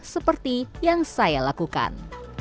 seperti yang saya lakukan